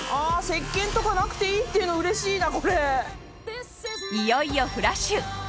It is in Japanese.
石鹸とかなくていいっていうのうれしいな。